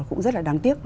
cũng rất là đáng tiếc